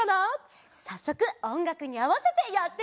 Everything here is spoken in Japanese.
さっそくおんがくにあわせてやってみよう！